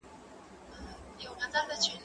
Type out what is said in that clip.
زه بايد زدکړه وکړم؟!